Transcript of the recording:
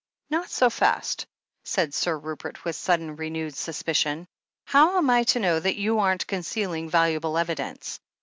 "Not so fast," said Sir Rupert with sudden, renewed suspicion. "How am I to know that you aren't con cealing valuable evidence